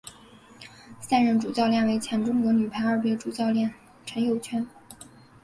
现任主教练为前中国女排二队主教练陈友泉。